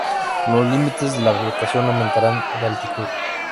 Los límites de la vegetación aumentarán de altitud.